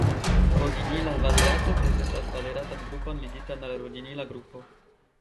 Rodinila valerato prezentas valeratan grupon ligitan al rodinila grupo.